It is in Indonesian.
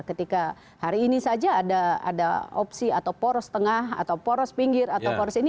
ketika hari ini saja ada opsi atau poros tengah atau poros pinggir atau poros ini